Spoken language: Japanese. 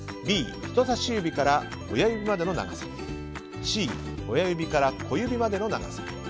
Ｂ、人さし指から親指までの長さＣ、親指から小指までの長さ。